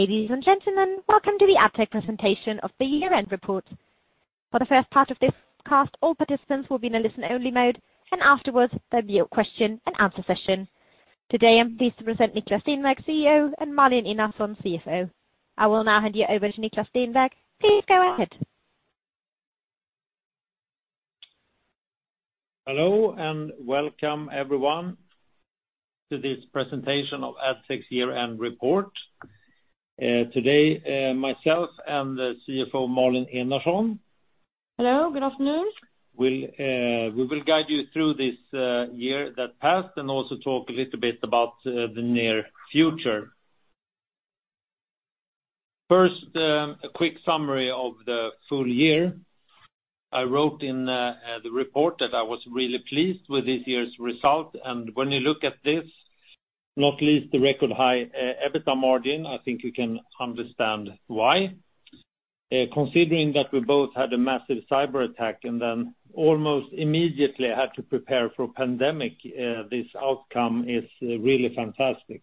Ladies and gentlemen, welcome to the Addtech Presentation of the Year-end Report. For the first part of this cast, all participants will be in a listen-only mode, and afterwards, there will be a question-and-answer session. Today, I'm pleased to present Niklas, CEO, and Malin Enarson, CFO. I will now hand you over to Niklas Stenberg. Please go ahead. Hello, and welcome everyone to this presentation of Addtech year-end report. Today, myself and the CFO, Malin Enarson. Hello, good afternoon. We will guide you through this year that passed and also talk a little bit about the near future. First, a quick summary of the full year. I wrote in the report that I was really pleased with this year's result. When you look at this, not least the record high EBITDA margin, I think you can understand why. Considering that we both had a massive cyber-attack and then almost immediately had to prepare for a pandemic, this outcome is really fantastic.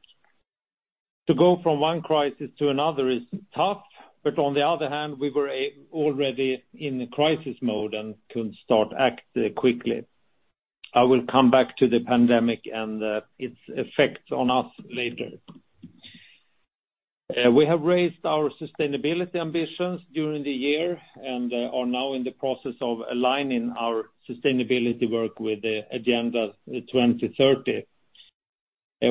To go from one crisis to another is tough, but on the other hand, we were already in crisis mode and could start acting quickly. I will come back to the pandemic and its effect on us later. We have raised our sustainability ambitions during the year and are now in the process of aligning our sustainability work with the Agenda 2030.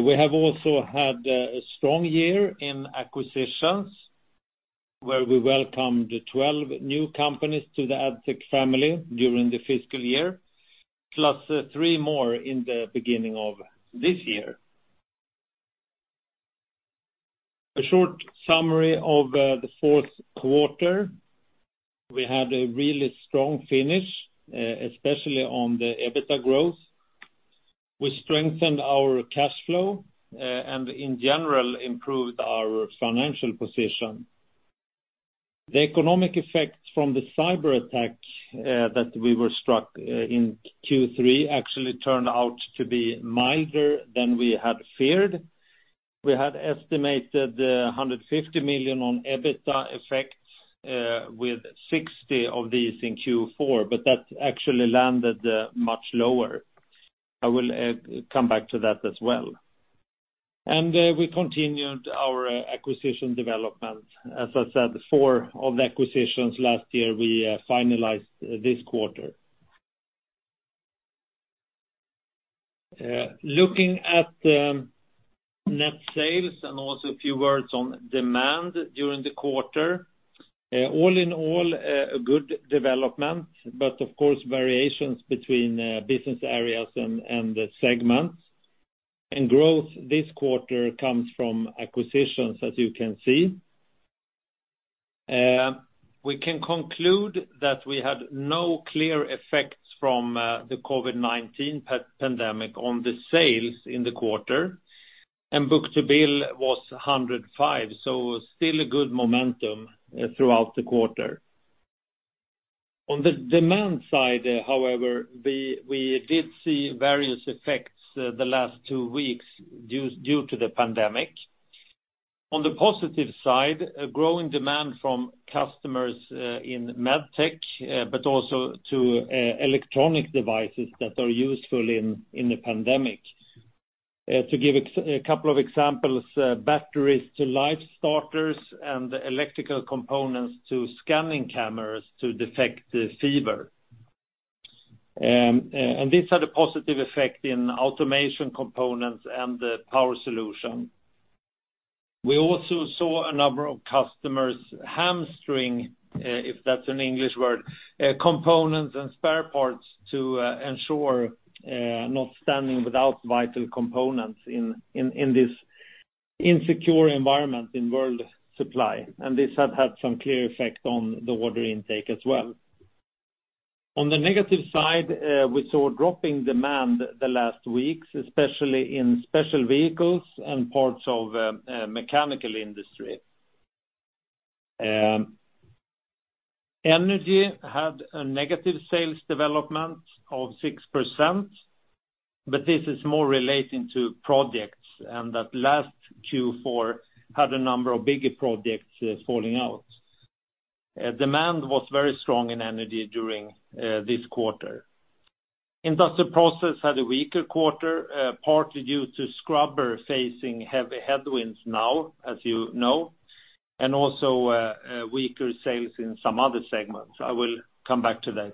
We have also had a strong year in acquisitions, where we welcomed 12 new companies to the Addtech family during the fiscal year, plus three more in the beginning of this year. A short summary of the fourth quarter. We had a really strong finish, especially on the EBITDA growth. We strengthened our cash flow, and in general, improved our financial position. The economic effects from the cyber-attack that we were struck in Q3 actually turned out to be milder than we had feared. We had estimated 150 million on EBITDA effects with 60 million of these in Q4, that actually landed much lower. I will come back to that as well. We continued our acquisition development. As I said, four of the acquisitions last year, we finalized this quarter. Looking at net sales and also a few words on demand during the quarter. All in all, a good development, of course, variations between business areas and the segments. Growth this quarter comes from acquisitions, as you can see. We can conclude that we had no clear effects from the COVID-19 pandemic on the sales in the quarter, and book-to-bill was 105, so still a good momentum throughout the quarter. On the demand side, however, we did see various effects the last two weeks due to the pandemic. On the positive side, a growing demand from customers in med tech, but also to electronic devices that are useful in the pandemic. To give a couple of examples, batteries to defibrillators and electrical components to thermal imaging cameras to detect the fever. These had a positive effect in Automation Components and Power Solutions. We also saw a number of customers hamstering, if that's an English word, components and spare parts to ensure not standing without vital components in this insecure environment in world supply. This had had some clear effect on the order intake as well. On the negative side, we saw dropping demand the last weeks, especially in special vehicles and parts of mechanical industry. Energy had a negative sales development of 6%. This is more relating to projects, and that last Q4 had a number of bigger projects falling out. Demand was very strong in Energy during this quarter. Industrial Process had a weaker quarter, partly due to scrubber facing heavy headwinds now, as you know, and also weaker sales in some other segments. I will come back to that.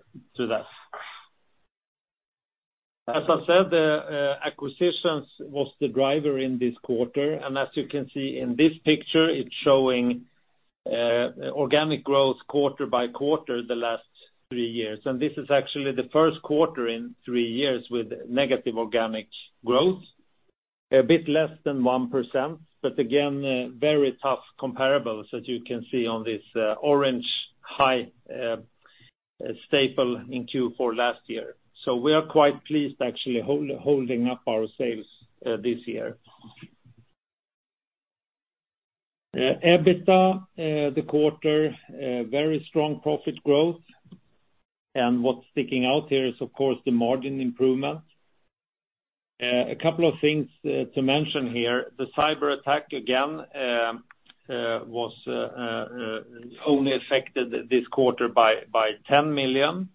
As I said, the acquisitions was the driver in this quarter. As you can see in this picture, it is showing organic growth quarter by quarter the last three years. This is actually the first quarter in three years with negative organic growth. A bit less than 1%, but again, very tough comparables, as you can see on this orange high base in Q4 last year. We are quite pleased actually holding up our sales this year. EBITDA, the quarter, very strong profit growth. What is sticking out here is, of course, the margin improvement. A couple of things to mention here. The cyber-attack, again, only affected this quarter by 10 million.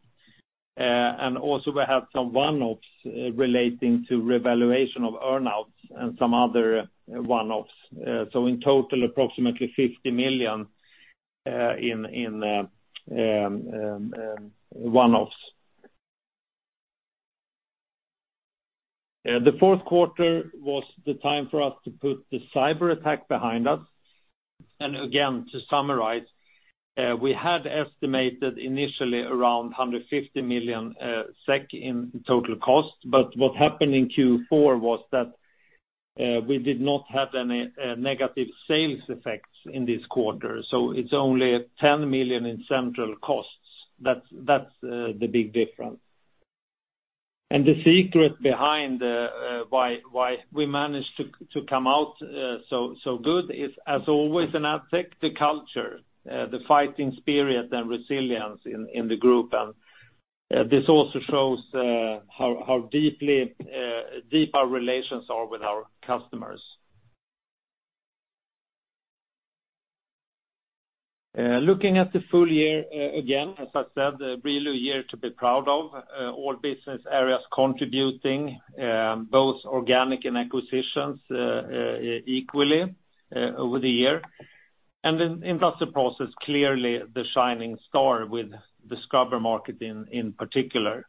Also we had some one-offs relating to revaluation of earn-outs and some other one-offs. In total, approximately SEK 50 million in one-offs. The fourth quarter was the time for us to put the cyber-attack behind us. Again, to summarize, we had estimated initially around 150 million SEK in total cost, what happened in Q4 was that we did not have any negative sales effects in this quarter. It's only 10 million in central costs. That's the big difference. The secret behind why we managed to come out so good is, as always in Addtech, the culture, the fighting spirit and resilience in the group. This also shows how deep our relations are with our customers. Looking at the full year, again, as I said, really a year to be proud of. All business areas contributing, both organic and acquisitions, equally over the year. Industrial Process, clearly the shining star with the scrubber market in particular.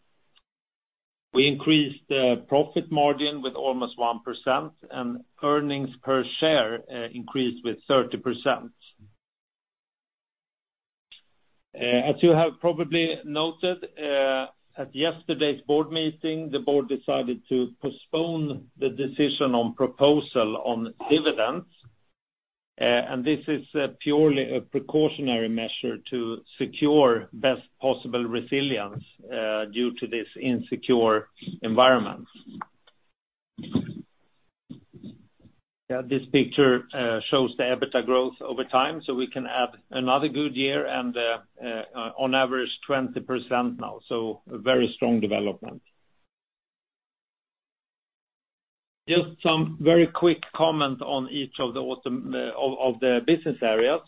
We increased profit margin with almost 1%, earnings per share increased with 30%. As you have probably noted, at yesterday's board meeting, the board decided to postpone the decision on proposal on dividends. This is purely a precautionary measure to secure best possible resilience due to this insecure environment. This picture shows the EBITDA growth over time, so we can add another good year, and on average, 20% now. A very strong development. Just some very quick comment on each of the business areas.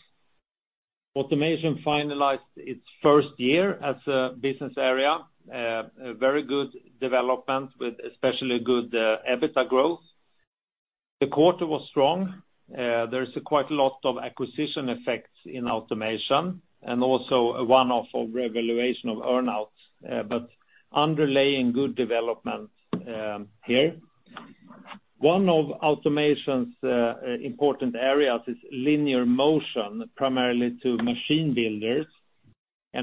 Automation finalized its first year as a business area. A very good development with especially good EBITDA growth. The quarter was strong. There's quite a lot of acquisition effects in Automation, and also a one-off of revaluation of earn-outs, but underlying good development here. One of Automation's important areas is linear motion, primarily to machine builders.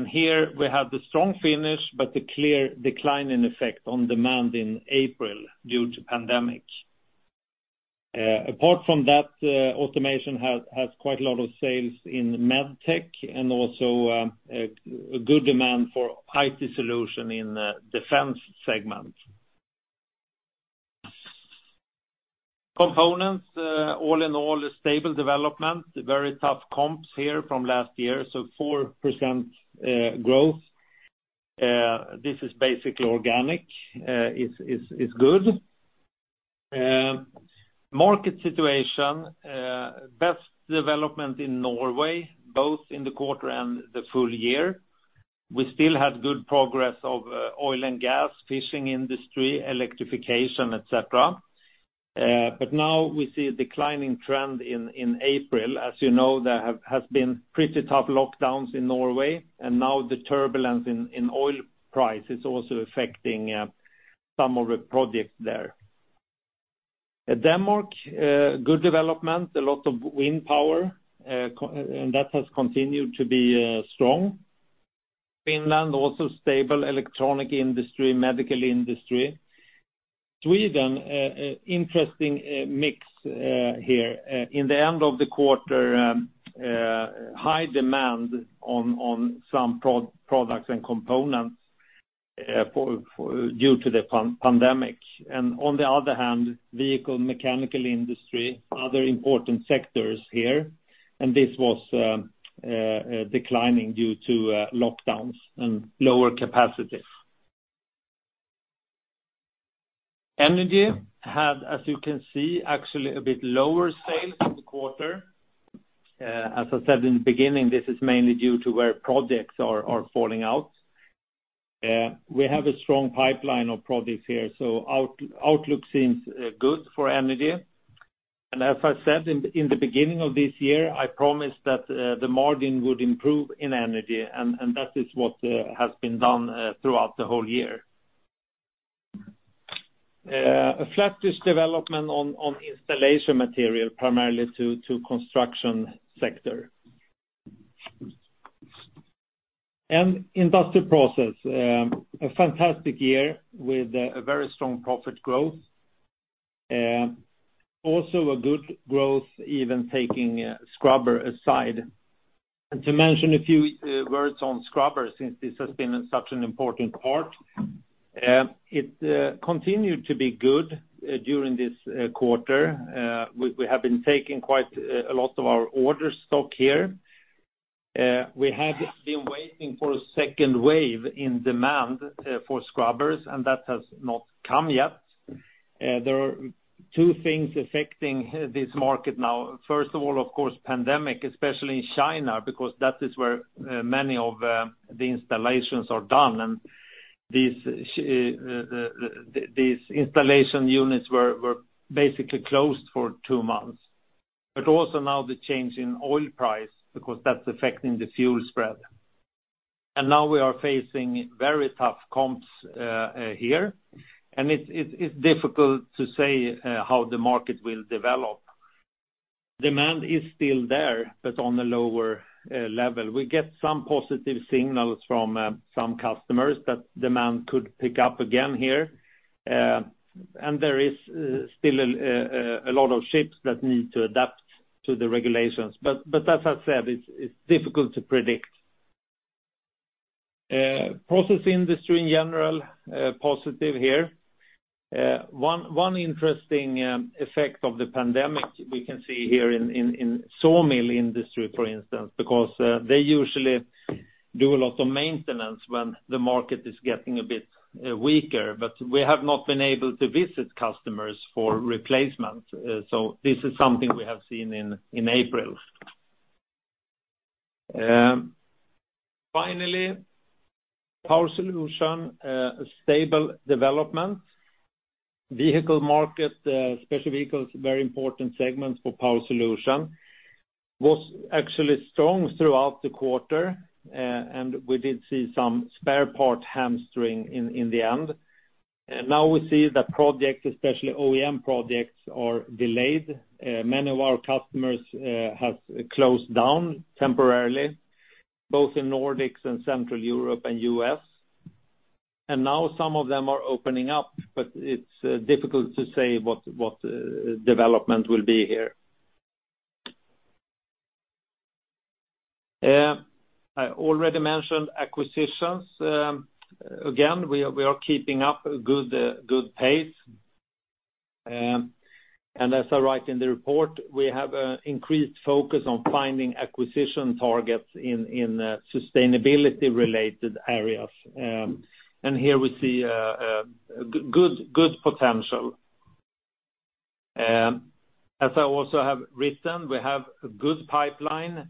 Here we have the strong finish, but the clear decline in effect on demand in April due to pandemic. Apart from that, Automation has quite a lot of sales in med tech and also a good demand for IT solution in defense segment. Components, all in all, a stable development. Very tough comps here from last year, so 4% growth. This is basically organic, it's good. Market situation, best development in Norway, both in the quarter and the full year. We still had good progress of oil and gas, fishing industry, electrification, et cetera. Now we see a declining trend in April. As you know, there has been pretty tough lockdowns in Norway, and now the turbulence in oil price is also affecting some of the projects there. Denmark, good development, a lot of wind power, and that has continued to be strong. Finland, also stable electronic industry, medical industry. Sweden, interesting mix here. In the end of the quarter, high demand on some products and components due to the pandemic. On the other hand, vehicle mechanical industry, other important sectors here, this was declining due to lockdowns and lower capacity. Energy had, as you can see, actually a bit lower sales in the quarter. As I said in the beginning, this is mainly due to where projects are falling out. We have a strong pipeline of projects here, outlook seems good for Energy. As I said in the beginning of this year, I promised that the margin would improve in Energy, and that is what has been done throughout the whole year. A flattish development on installation material, primarily to construction sector. Industrial Process, a fantastic year with a very strong profit growth. Also a good growth even taking scrubber aside. To mention a few words on scrubber, since this has been such an important part. It continued to be good during this quarter. We have been taking quite a lot of our order stock here. We had been waiting for a second wave in demand for scrubbers, and that has not come yet. There are two things affecting this market now. First of all, of course, pandemic, especially in China, because that is where many of the installations are done, and these installation units were basically closed for two months. Also now the change in oil price because that's affecting the fuel spread. Now we are facing very tough comps here, and it's difficult to say how the market will develop. Demand is still there, but on a lower level. We get some positive signals from some customers that demand could pick up again here, and there is still a lot of ships that need to adapt to the regulations. As I said, it's difficult to predict. Process industry in general, positive here. One interesting effect of the pandemic we can see here in sawmill industry, for instance, because they usually do a lot of maintenance when the market is getting a bit weaker, but we have not been able to visit customers for replacements. This is something we have seen in April. Finally, Power Solutions, stable development. Vehicle market, special vehicles, very important segments for Power Solutions, was actually strong throughout the quarter, and we did see some spare part hamstering in the end. Now we see that projects, especially OEM projects, are delayed. Many of our customers have closed down temporarily, both in Nordics and Central Europe and U.S. Now some of them are opening up, but it's difficult to say what development will be here. I already mentioned acquisitions. Again, we are keeping up a good pace. As I write in the report, we have increased focus on finding acquisition targets in sustainability related areas. Here we see a good potential. As I also have written, we have a good pipeline,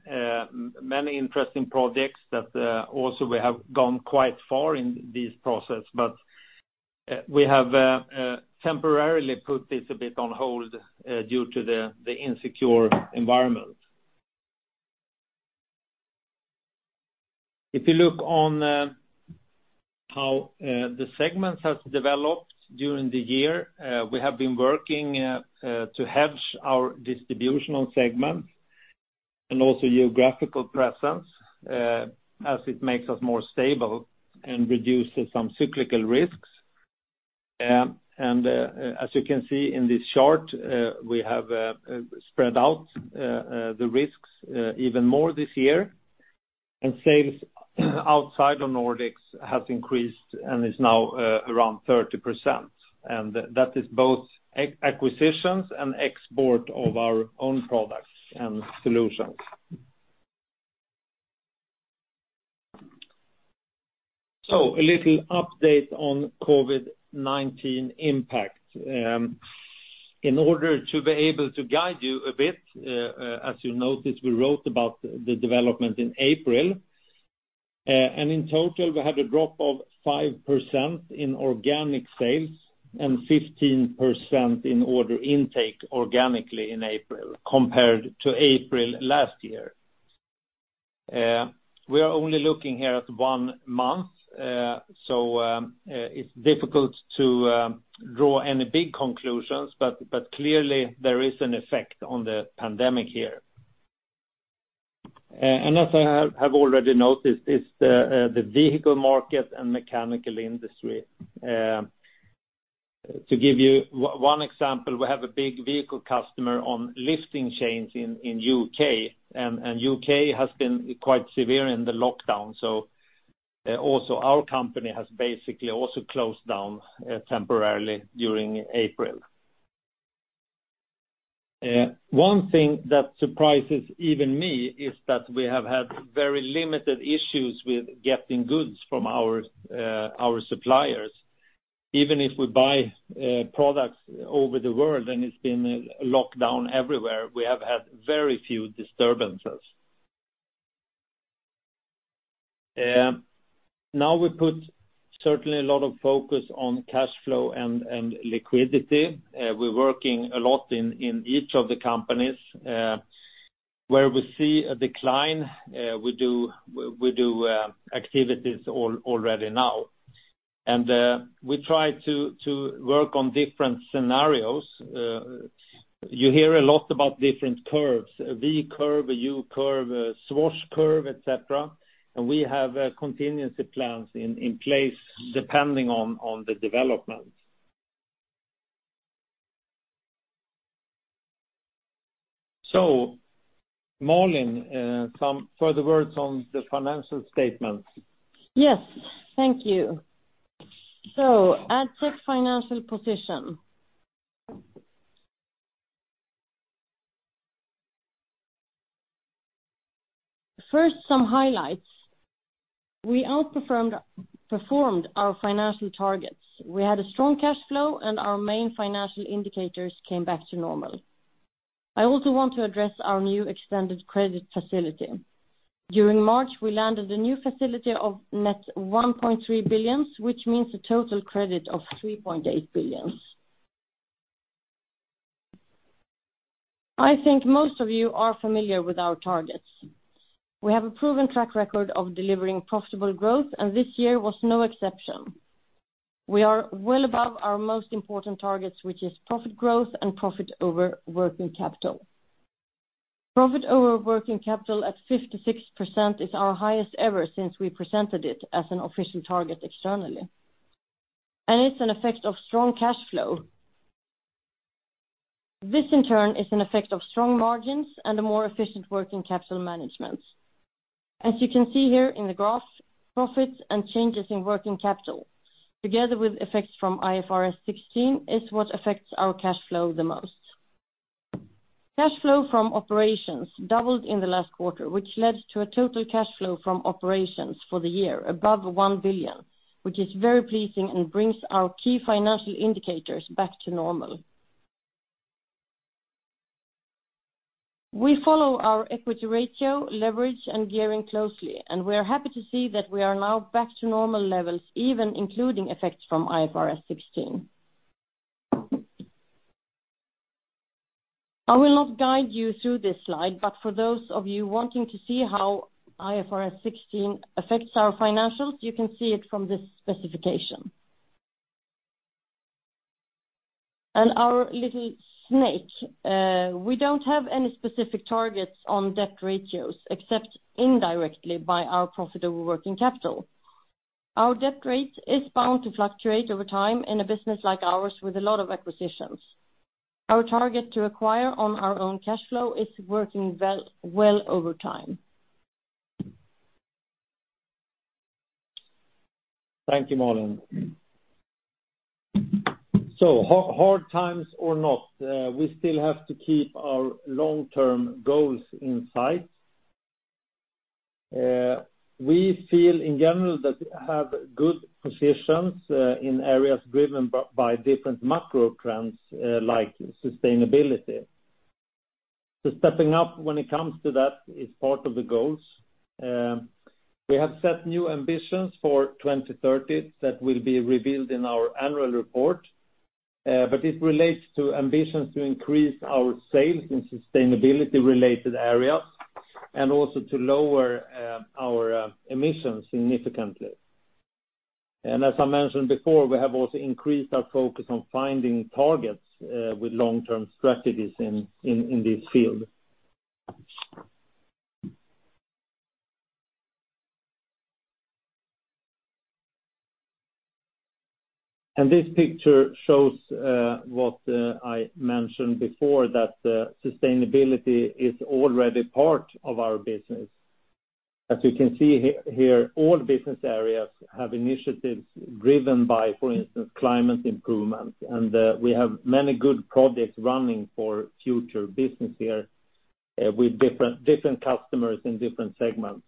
many interesting projects that also we have gone quite far in this process, but we have temporarily put this a bit on hold due to the insecure environment. If you look on how the segments have developed during the year, we have been working to hedge our distributional segments and also geographical presence, as it makes us more stable and reduces some cyclical risks. As you can see in this chart, we have spread out the risks even more this year, and sales outside of Nordics has increased and is now around 30%, and that is both acquisitions and export of our own products and solutions. A little update on COVID-19 impact. In order to be able to guide you a bit, as you noticed, we wrote about the development in April, and in total, we had a drop of 5% in organic sales and 15% in order intake organically in April compared to April last year. We are only looking here at one month, so it's difficult to draw any big conclusions, but clearly there is an effect on the pandemic here. As I have already noted, it's the vehicle market and mechanical industry. To give you one example, we have a big vehicle customer on lifting chains in U.K. U.K. has been quite severe in the lockdown. Also our company has basically also closed down temporarily during April. One thing that surprises even me is that we have had very limited issues with getting goods from our suppliers. Even if we buy products over the world, it's been locked down everywhere, we have had very few disturbances. We put certainly a lot of focus on cash flow and liquidity. We're working a lot in each of the companies. Where we see a decline, we do activities already now. We try to work on different scenarios. You hear a lot about different curves, V curve, a U curve, a swoosh curve, et cetera. We have contingency plans in place depending on the development. Malin, some further words on the financial statements. Thank you. Addtech financial position. First, some highlights. We outperformed our financial targets. We had a strong cash flow, and our main financial indicators came back to normal. I also want to address our new extended credit facility. During March, we landed a new facility of net 1.3 billion, which means a total credit of 3.8 billion. I think most of you are familiar with our targets. We have a proven track record of delivering profitable growth, and this year was no exception. We are well above our most important targets, which is profit growth and profit over working capital. Profit over working capital at 56% is our highest ever since we presented it as an official target externally, and it's an effect of strong cash flow. This in turn is an effect of strong margins and a more efficient working capital management. As you can see here in the graph, profits and changes in working capital, together with effects from IFRS 16, is what affects our cash flow the most. Cash flow from operations doubled in the last quarter, which led to a total cash flow from operations for the year above 1 billion, which is very pleasing and brings our key financial indicators back to normal. We follow our equity ratio, leverage, and gearing closely, and we are happy to see that we are now back to normal levels, even including effects from IFRS 16. I will not guide you through this slide, but for those of you wanting to see how IFRS 16 affects our financials, you can see it from this specification. Our little snake, we don't have any specific targets on debt ratios except indirectly by our profit over working capital. Our debt rate is bound to fluctuate over time in a business like ours with a lot of acquisitions. Our target to acquire on our own cash flow is working well over time. Thank you, Malin. Hard times or not, we still have to keep our long-term goals in sight. We feel in general that we have good positions in areas driven by different macro trends, like sustainability. Stepping up when it comes to that is part of the goals. We have set new ambitions for 2030 that will be revealed in our annual report, but it relates to ambitions to increase our sales in sustainability-related areas and also to lower our emissions significantly. As I mentioned before, we have also increased our focus on finding targets with long-term strategies in this field. This picture shows what I mentioned before, that sustainability is already part of our business. As we can see here, all business areas have initiatives driven by, for instance, climate improvement, and we have many good projects running for future business here with different customers in different segments.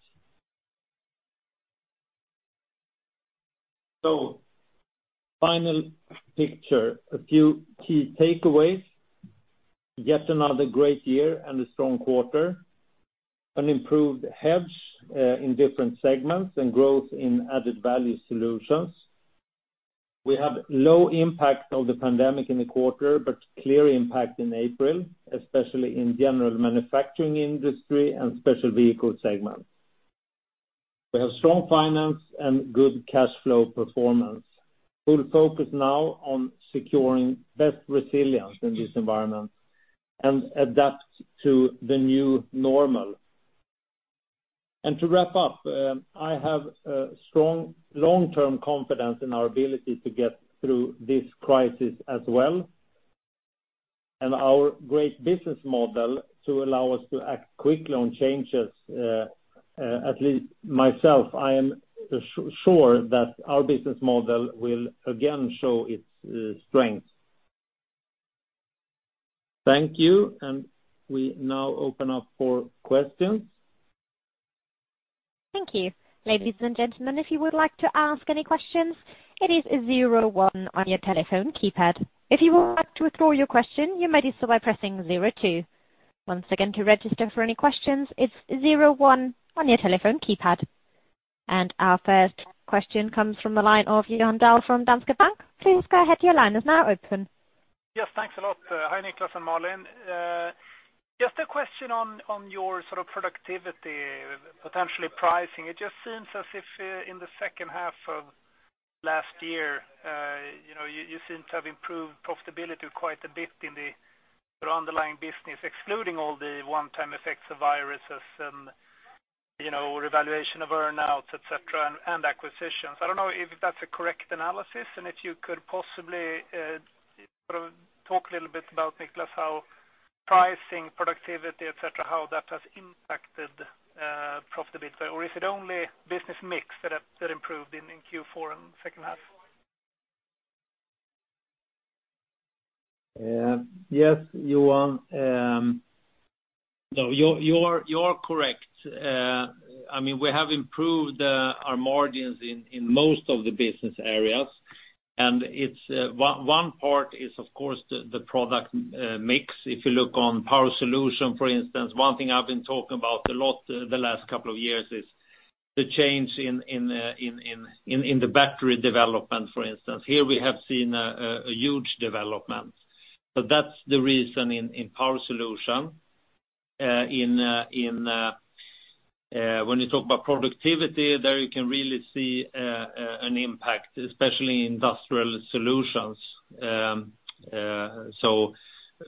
Final picture, a few key takeaways. Yet another great year and a strong quarter. An improved hedge in different segments and growth in added-value solutions. We have low impact of the pandemic in the quarter, but clear impact in April, especially in general manufacturing industry and special vehicle segments. We have strong finance and good cash flow performance. Full focus now on securing best resilience in this environment and adapt to the new normal. To wrap up, I have a strong long-term confidence in our ability to get through this crisis as well, and our great business model to allow us to act quickly on changes. At least myself, I am sure that our business model will again show its strength. Thank you. We now open up for questions. Thank you. Ladies and gentlemen, if you would like to ask any questions, it is zero one on your telephone keypad. If you would like to withdraw your question, you may do so by pressing zero two. Once again, to register for any questions, it's zero one on your telephone keypad. Our first question comes from the line of Johan Dahl from Danske Bank. Please go ahead, your line is now open. Yes, thanks a lot. Hi, Niklas and Malin. Just a question on your productivity, potentially pricing. It just seems as if in the second half of last year, you seem to have improved profitability quite a bit in your underlying business, excluding all the one-time effects of viruses and revaluation of earn-outs, et cetera, and acquisitions. I don't know if that's a correct analysis, and if you could possibly talk a little bit about, Niklas, how pricing, productivity, et cetera, how that has impacted profitability. Or is it only business mix that improved in Q4 and second half? Yes, Johan. You are correct. We have improved our margins in most of the business areas, and one part is, of course, the product mix. If you look on Power Solutions, for instance, one thing I've been talking about a lot the last couple of years is the change in the battery development, for instance. Here we have seen a huge development. That's the reason in Power Solutions. When you talk about productivity, there you can really see an impact, especially in Industrial Process.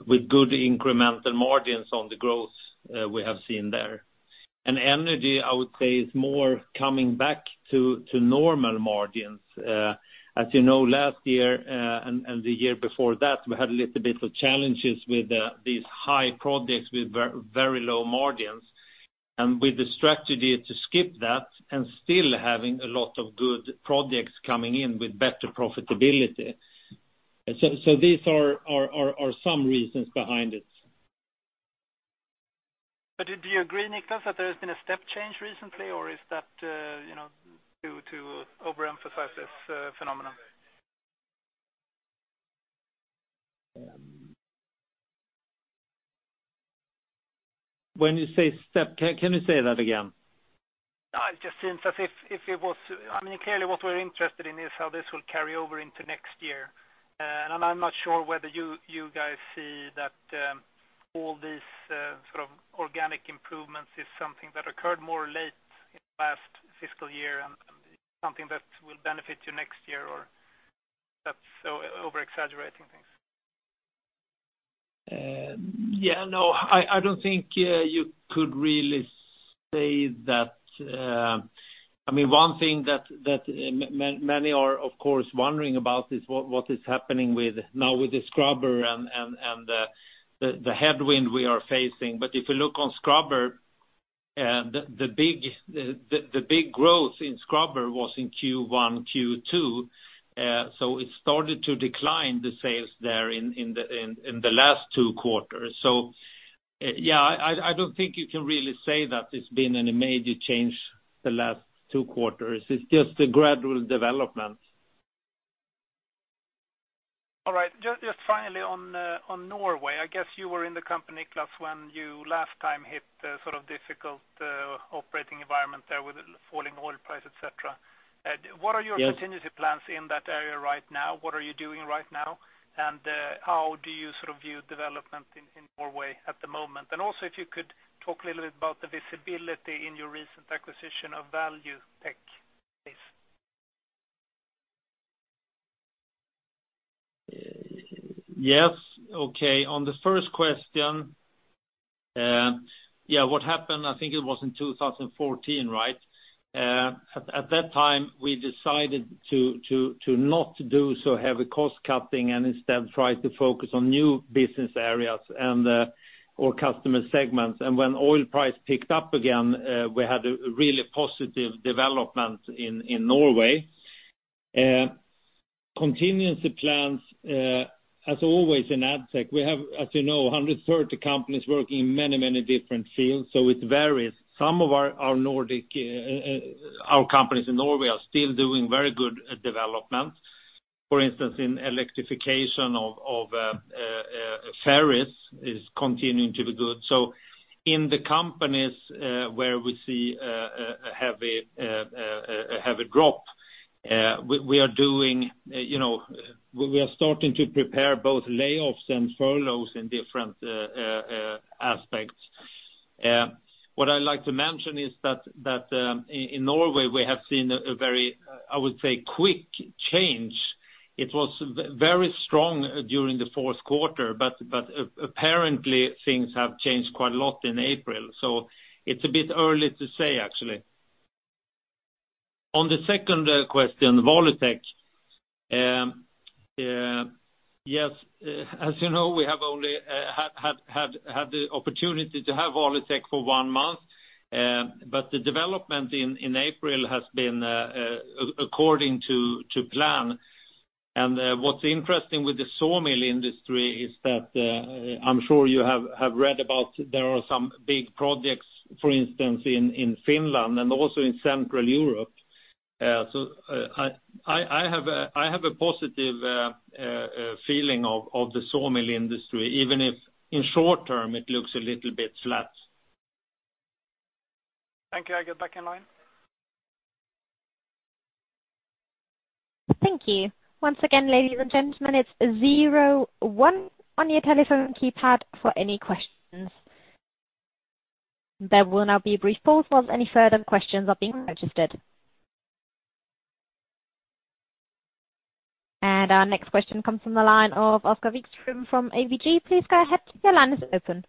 With good incremental margins on the growth we have seen there. Energy, I would say, is more coming back to normal margins. As you know, last year and the year before that, we had a little bit of challenges with these high projects with very low margins, and with the strategy to skip that and still having a lot of good projects coming in with better profitability. These are some reasons behind it. Do you agree, Niklas, that there has been a step change recently, or is that to overemphasize this phenomenon? When you say step, can you say that again? No, it just seems as if. Clearly what we're interested in is how this will carry over into next year, and I'm not sure whether you guys see that all these sort of organic improvements is something that occurred more late in last fiscal year and something that will benefit you next year, or that's over-exaggerating things? Yeah. No, I don't think you could really say that. One thing that many are, of course, wondering about is what is happening now with the scrubber and the headwind we are facing. If you look on scrubber, the big growth in scrubber was in Q1, Q2, it started to decline the sales there in the last two quarters. Yeah, I don't think you can really say that it's been a major change the last two quarters. It's just a gradual development. All right. Just finally on Norway, I guess you were in the company, Niklas, when you last time hit the sort of difficult operating environment there with falling oil price, et cetera. Yes. What are your contingency plans in that area right now? What are you doing right now, and how do you view development in Norway at the moment? Also if you could talk a little bit about the visibility in your recent acquisition of Valutec, please. Yes. Okay. On the first question, what happened, I think it was in 2014, right? At that time, we decided to not do so heavy cost cutting and instead try to focus on new business areas or customer segments. When oil price picked up again, we had a really positive development in Norway. Contingency plans, as always in Addtech, we have, as you know, 130 companies working in many different fields, so it varies. Some of our companies in Norway are still doing very good development. For instance, in electrification of ferries is continuing to be good. In the companies where we see a heavy drop, we are starting to prepare both layoffs and furloughs in different aspects. What I'd like to mention is that in Norway we have seen a very, I would say, quick change. It was very strong during the fourth quarter, but apparently things have changed quite a lot in April, so it's a bit early to say, actually. On the second question, Valutec. Yes, as you know, we have only had the opportunity to have Valutec for one month, but the development in April has been according to plan. What's interesting with the sawmill industry is that I'm sure you have read about there are some big projects, for instance, in Finland and also in Central Europe. I have a positive feeling of the sawmill industry, even if in short term it looks a little bit flat. Thank you. I get back in line. Thank you. Once again, ladies and gentlemen, it's zero one on your telephone keypad for any questions. There will now be a brief pause while any further questions are being registered. Our next question comes from the line of from ABG. Please go ahead. Your line is open.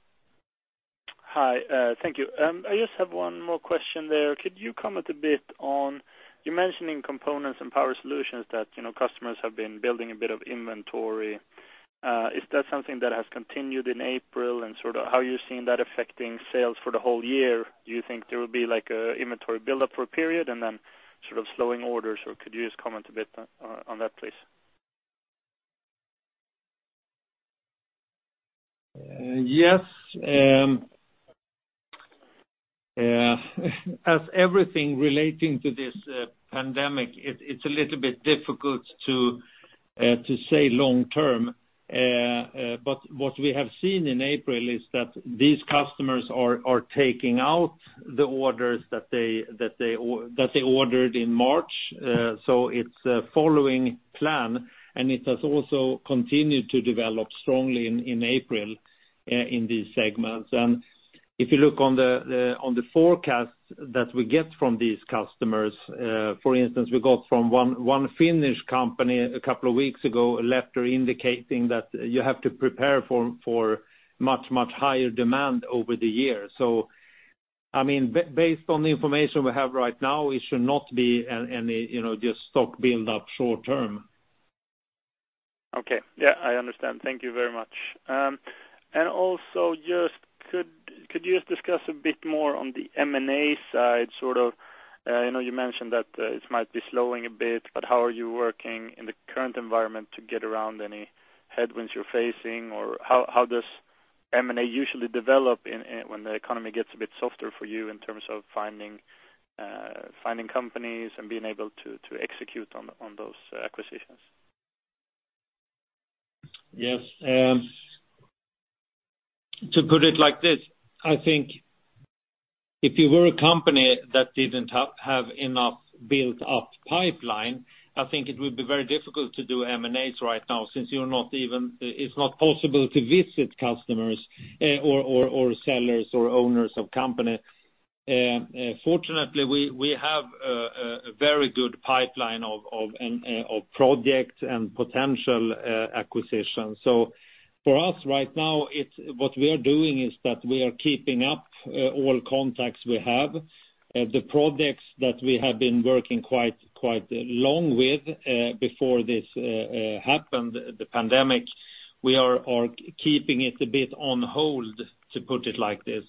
Hi. Thank you. I just have one more question there. Could you comment a bit on, you mentioning Components and Power Solutions that customers have been building a bit of inventory. Is that something that has continued in April, and how are you seeing that affecting sales for the whole year? Do you think there will be an inventory buildup for a period, and then slowing orders, or could you just comment a bit on that, please? Yes. As everything relating to this pandemic, it's a little bit difficult to say long term. What we have seen in April is that these customers are taking out the orders that they ordered in March. It's following plan, and it has also continued to develop strongly in April in these segments. If you look on the forecast that we get from these customers, for instance, we got from one Finnish company a couple of weeks ago, a letter indicating that you have to prepare for much higher demand over the year. Based on the information we have right now, it should not be just stock build-up short term. Okay. Yeah, I understand. Thank you very much. Also could you just discuss a bit more on the M&A side? I know you mentioned that it might be slowing a bit, how are you working in the current environment to get around any headwinds you're facing, or how does M&A usually develop when the economy gets a bit softer for you in terms of finding companies and being able to execute on those acquisitions? Yes. To put it like this, I think if you were a company that didn't have enough built-up pipeline, I think it would be very difficult to do M&As right now, since it's not possible to visit customers or sellers or owners of companies. Fortunately, we have a very good pipeline of projects and potential acquisitions. For us right now, what we are doing is that we are keeping up all contacts we have. The projects that we have been working quite long with before this happened, the pandemic, we are keeping it a bit on hold, to put it like this.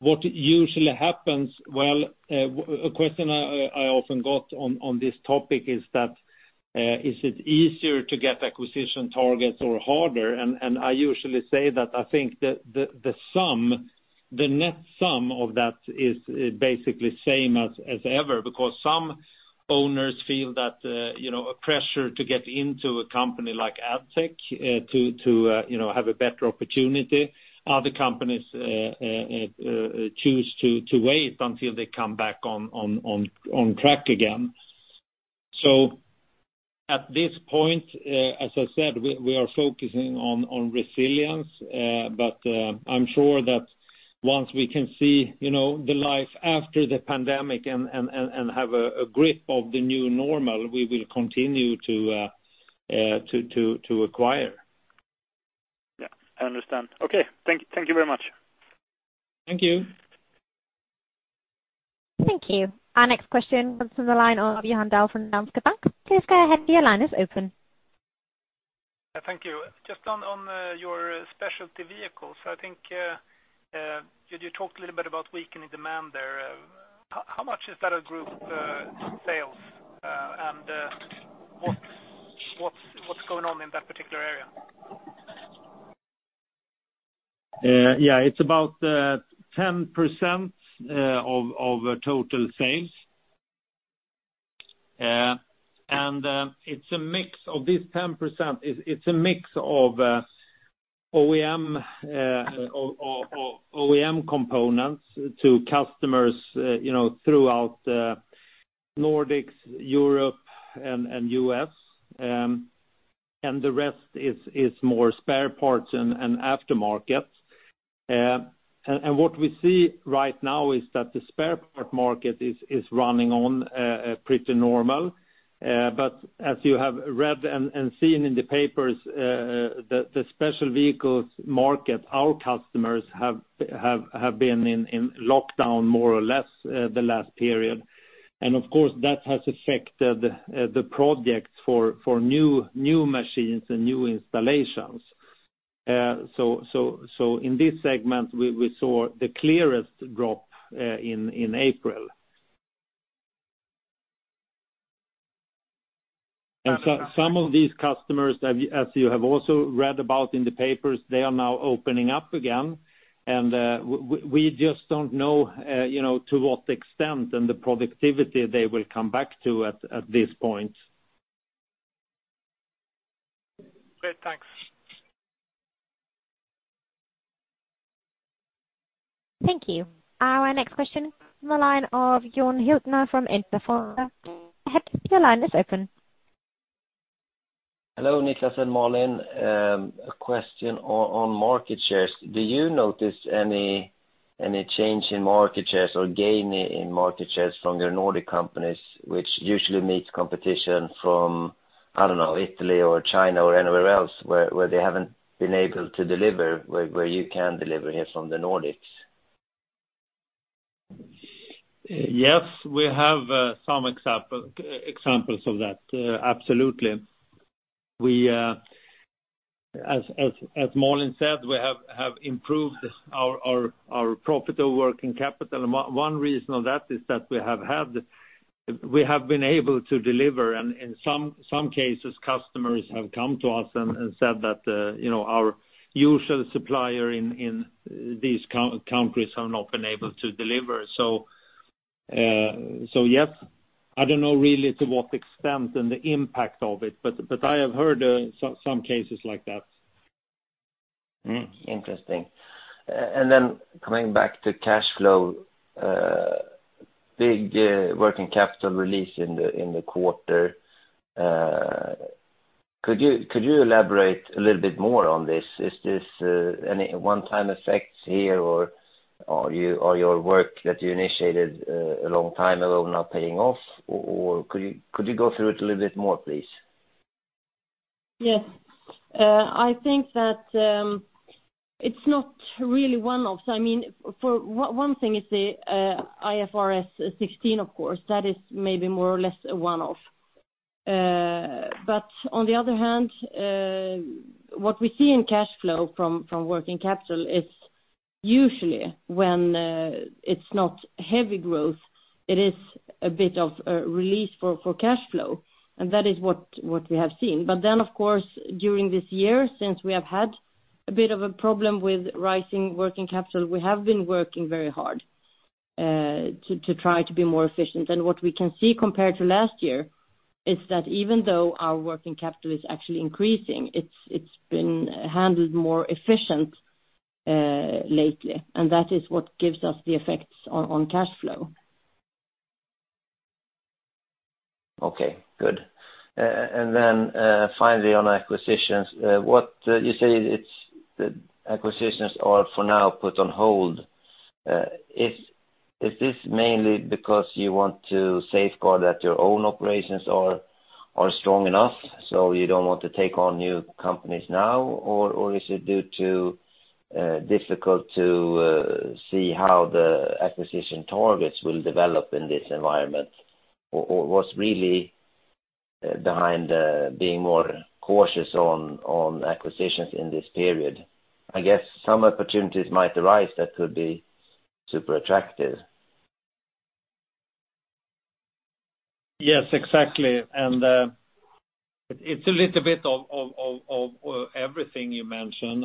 What usually happens, well, a question I often got on this topic is that, is it easier to get acquisition targets or harder? I usually say that I think the net sum of that is basically same as ever, because some owners feel that a pressure to get into a company like Addtech to have a better opportunity. Other companies choose to wait until they come back on track again. At this point, as I said, we are focusing on resilience. I'm sure that once we can see the life after the pandemic and have a grip of the new normal, we will continue to acquire. Yeah, I understand. Okay. Thank you very much. Thank you. Thank you. Our next question comes from the line of Johan Dahl from Danske Bank. Please go ahead, your line is open. Thank you. Just on your specialty vehicles, I think you talked a little bit about weakening demand there. How much is that of group sales, and what's going on in that particular area? Yeah, it's about 10% of total sales. Of this 10%, it's a mix of OEM components to customers throughout Nordics, Europe and U.S. The rest is more spare parts and aftermarket. What we see right now is that the spare part market is running on pretty normal. As you have read and seen in the papers, the special vehicles market, our customers have been in lockdown more or less the last period. Of course, that has affected the project for new machines and new installations. In this segment, we saw the clearest drop in April. Some of these customers, as you have also read about in the papers, they are now opening up again, and we just don't know to what extent and the productivity they will come back to at this point. Great. Thanks. Thank you. Our next question from the line of John Hiltner from Interforum. Go ahead, your line is open. Hello, Niklas and Malin. A question on market shares. Do you notice any change in market shares or gain in market shares from your Nordic companies, which usually meets competition from, I don't know, Italy or China or anywhere else, where they haven't been able to deliver, where you can deliver here from the Nordics? We have some examples of that. Absolutely. As Malin said, we have improved our profit over working capital. One reason of that is that we have been able to deliver, and in some cases, customers have come to us and said that, "Our usual supplier in these countries have not been able to deliver." Yes. I don't know really to what extent and the impact of it, but I have heard some cases like that. Interesting. Coming back to cash flow, big working capital release in the quarter. Could you elaborate a little bit more on this? Is this any one-time effects here, or your work that you initiated a long time ago now paying off? Could you go through it a little bit more, please? Yes. I think that it's not really one-offs. One thing is the IFRS 16, of course, that is maybe more or less a one-off. On the other hand, what we see in cash flow from working capital is usually when it's not heavy growth, it is a bit of a release for cash flow. That is what we have seen. Of course, during this year, since we have had a bit of a problem with rising working capital, we have been working very hard to try to be more efficient. What we can see compared to last year is that even though our working capital is actually increasing, it's been handled more efficient lately, and that is what gives us the effects on cash flow. Okay, good. Finally on acquisitions, you say the acquisitions are for now put on hold. Is this mainly because you want to safeguard that your own operations are strong enough, so you don't want to take on new companies now? Is it due to difficult to see how the acquisition targets will develop in this environment? What's really behind being more cautious on acquisitions in this period? I guess some opportunities might arise that could be super attractive. Yes, exactly. It's a little bit of everything you mentioned.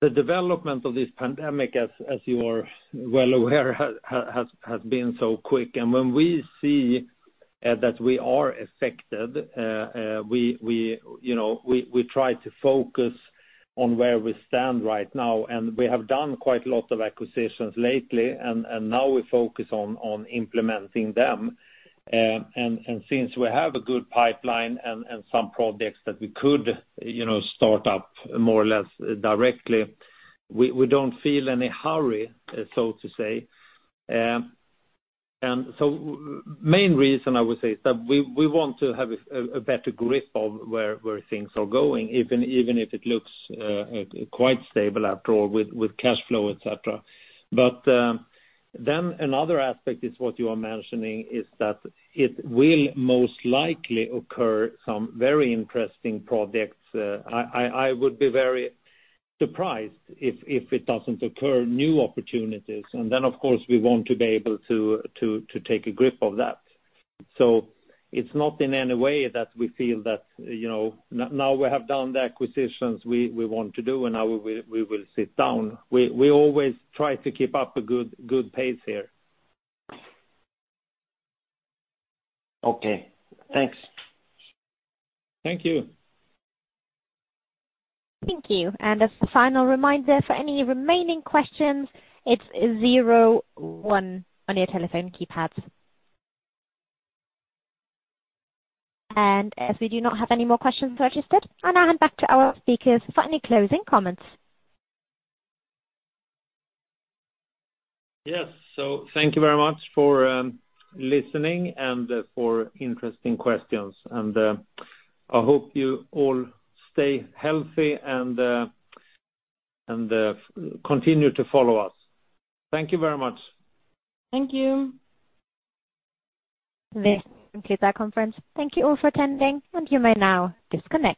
The development of this pandemic, as you are well aware, has been so quick. When we see that we are affected, we try to focus on where we stand right now, and we have done quite a lot of acquisitions lately, and now we focus on implementing them. Since we have a good pipeline and some projects that we could start up more or less directly, we don't feel any hurry, so to say. Main reason I would say is that we want to have a better grip of where things are going, even if it looks quite stable after all with cash flow, et cetera. Another aspect is what you are mentioning is that it will most likely occur some very interesting projects. I would be very surprised if it doesn't occur new opportunities. Then, of course, we want to be able to take a grip of that. It's not in any way that we feel that now we have done the acquisitions we want to do, and now we will sit down. We always try to keep up a good pace here. Okay, thanks. Thank you. Thank you. As a final reminder, for any remaining questions, it's 01 on your telephone keypads. As we do not have any more questions registered, I now hand back to our speakers for any closing comments. Yes. Thank you very much for listening and for interesting questions. I hope you all stay healthy and continue to follow us. Thank you very much. Thank you. This concludes our conference. Thank you all for attending. You may now disconnect.